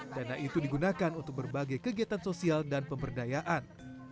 dana itu digunakan untuk berbagai kegiatan sosial dan pemberdayaan